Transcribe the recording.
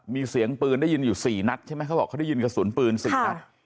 มีเสียงปืนได้ยินอยู่๔นัดใช่ไหมเขาบอกเขาได้ยินกระสุนปืน๔นัด